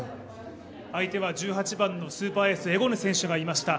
相手は１８番のスーパーエース、エゴヌ選手がいました。